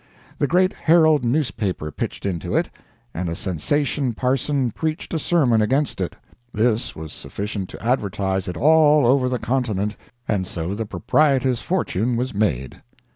The great Herald newspaper pitched into it, and a sensation parson preached a sermon against it; this was sufficient to advertise it all over the continent, and so the proprietor's fortune was made.